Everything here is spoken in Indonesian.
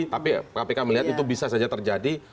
tapi kpk melihat itu bisa saja terjadi